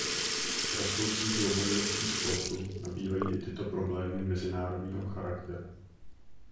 S rostoucí globalizací sportu nabývají i tyto problémy mezinárodního charakteru.